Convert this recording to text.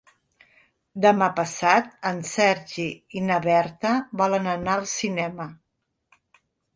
Demà passat en Sergi i na Berta volen anar al cinema.